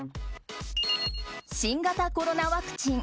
新型コロナワクチン。